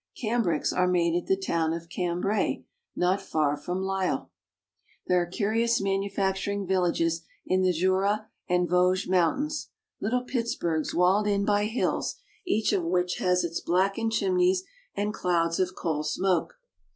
Cam brics are made at the town of Cambrai (koN bra/), not far from Lisle. There are curious manufacturing villages in the Jura and Vosges Mountains, little Pittsburgs walled in by hills, each of which has its blackened chimneys and clouds of coal smoke.